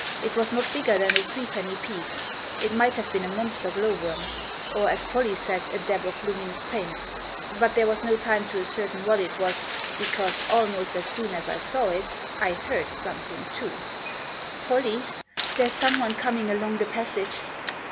It was not bigger than a threepenny piece. It might have been a monster glow worm. Or, as Polly said, a dab of luminous paint. But there was no time to ascertain what it was, because, almost as soon as I saw it, I heard something too. " Pollie, there's someone coming along the passage."